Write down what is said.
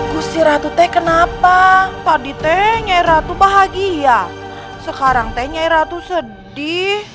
gusi ratu teh kenapa padi teh nyai ratu bahagia sekarang teh nyai ratu sedih